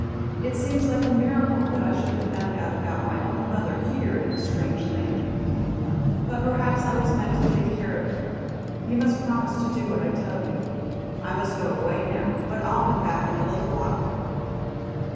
It seems like a miracle that I should have found out about my own mother here in a strange land. But perhaps I was meant to take care of you. You must promise to do what I tell you. I must go away now, but I'll come back in a little while."